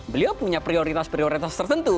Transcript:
beliau punya prioritas prioritas tertentu